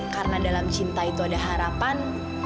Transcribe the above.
karena dalam cinta itu ada harapan